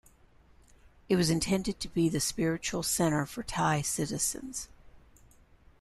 It was intended to be the spiritual centre for Thai citizens.